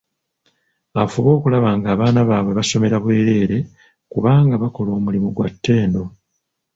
Afube okulaba ng'abaana baabwe basomera bwereere kubanga bakola omulimu gwa ttendo.